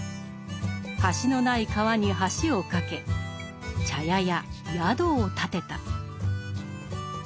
橋のない川に橋を架け茶屋や宿を建てた。